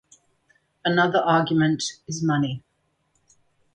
Another argument is money.